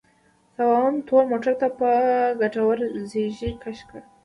سباوون تور موټر ته په کتو ږيرې کش کړ.